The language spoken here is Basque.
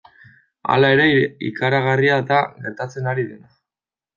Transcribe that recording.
Hala ere, ikaragarria da gertatzen ari dena.